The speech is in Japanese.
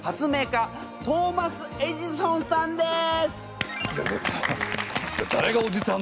家トーマス・エジソンさんです！